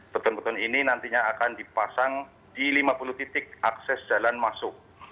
beton beton ini nantinya akan dipasang di lima puluh titik akses jalan masuk